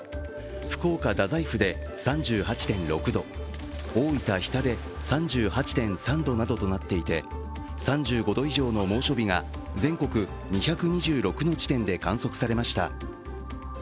福岡・太宰府で３８．６度大分・日田で３８．３度などとなっていて３５度以上の猛暑日が全国２２６の地点で観測されました。